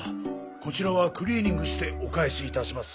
こちらはクリーニングしてお返しいたします。